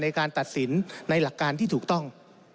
ในการตัดสินในหลักการที่ถูกต้อง